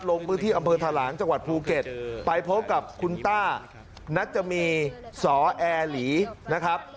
ลงพื้นที่อำเภอทะลางจังหวัดภูเก็ตไปพบกับคุณต้านัจจมีสอแอร์หลีนะครับ